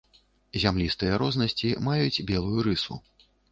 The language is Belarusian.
Зямлістыя рознасці маюць белую рысу.